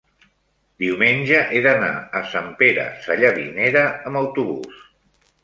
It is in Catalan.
diumenge he d'anar a Sant Pere Sallavinera amb autobús.